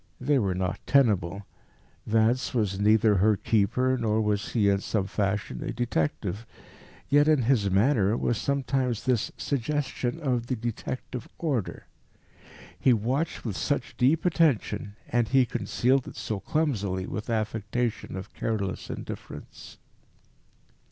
They were not tenable: Vance was neither her keeper, nor was he in some fashion a detective. Yet in his manner was sometimes this suggestion of the detective order. He watched with such deep attention, and he concealed it so clumsily with an affectation of careless indifference.